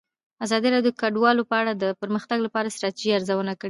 ازادي راډیو د کډوال په اړه د پرمختګ لپاره د ستراتیژۍ ارزونه کړې.